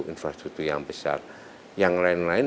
infrastruktur yang besar yang lain lain